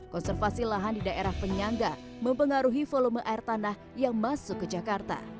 konservasi lahan di daerah penyangga mempengaruhi volume air tanah yang masuk ke jakarta